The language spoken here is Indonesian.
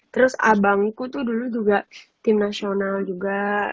terus abangku tuh dulu juga tim nasional juga